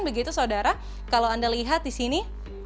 begitu saudara kalau anda lihat di sini